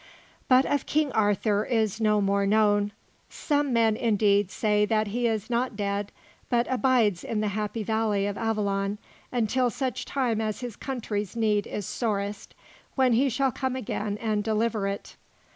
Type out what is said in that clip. But of King Arthur is no more known. Some men, indeed, say that he is not dead, but abides in the happy Valley of Avilion until such time as his country's need is sorest, when he shall come again and deliver it.